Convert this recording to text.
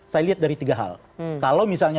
saya lihat dari tiga hal kalau misalnya